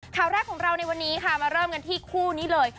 ข่าวแรกของเราในวันนี้ค่ะมาเริ่มกันที่คู่นี้เลย